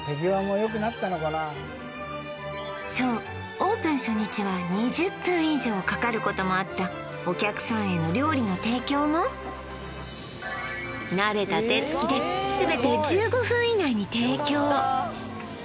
オープン初日は２０分以上かかることもあったお客さんへの料理の提供も慣れた手つきで全て１５分以内に提供